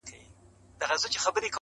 وخت به ازمېیلی یم ما بخت دی آزمېیلی -